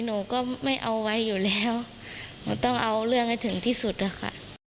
หนูก็ไม่เอาไว้อยู่แล้วหนูต้องเอาเรื่องให้ถึงที่สุดนะคะ